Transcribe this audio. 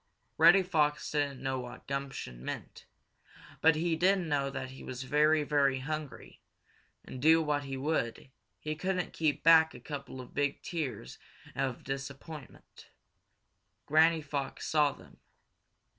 Reddy Fox didn't know what gumption meant, but he did know that he was very, very hungry, and do what he would, he couldn't keep back a couple of big tears of disappointment. Granny Fox saw them.